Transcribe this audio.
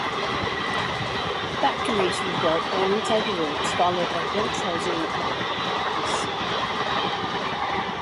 Factories were built alongside the roads, followed by dense housing and apartment buildings.